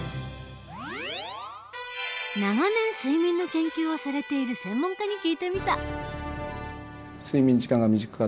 長年睡眠の研究をされている専門家に聞いてみた。